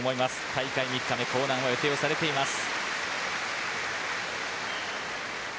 大会３日目興南は予定されています。